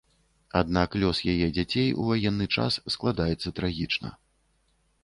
Аднак лёс яе дзяцей у ваенны час складаецца трагічна.